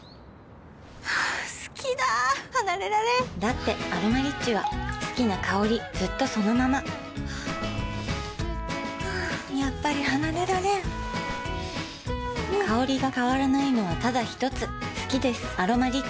好きだ離れられんだって「アロマリッチ」は好きな香りずっとそのままやっぱり離れられん香りが変わらないのはただひとつ好きです「アロマリッチ」